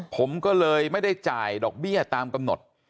ผมก็เลยไม่ได้จ่ายดอกเบี้ยตามกำหนด